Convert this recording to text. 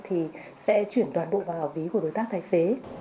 thì sẽ chuyển toàn bộ vào ví của đối tác tài xế